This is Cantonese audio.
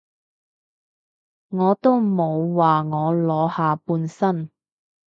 我都冇話我裸下半身